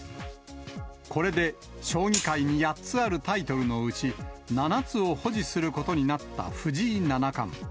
これで将棋界に８つあるタイトルのうち、７つを保持することになった藤井七冠。